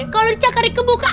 kalau dicakar di kebuka